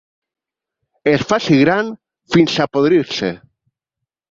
Es faci gran fins a podrir-se.